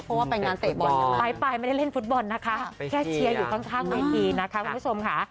เพราะว่าไปงานเตะบอลไปไม่ได้เล่นฟุตบอลนะคะแค่เชียร์อยู่ข้างเวทีนะคะคุณผู้ชมค่ะ